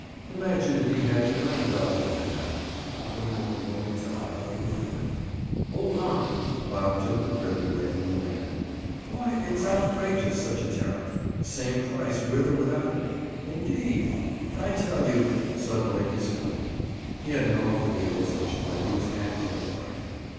Imagine if he had to earn a dollar and a half! He couldn't at the moment tell how he would do it. "Hold on." Bob took the grip away from the man. "Why, it's outrageous, such a tariff! Same price, with or without me, indeed! I tell you—" Suddenly he stopped. He had an awful realization that he was acting a part.